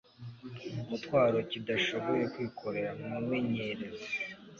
umutwaro kidashoboye kwikorera. Mwimenyereze